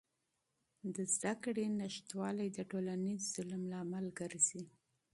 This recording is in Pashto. د زدهکړې نشتوالی د ټولنیز ظلم لامل ګرځي.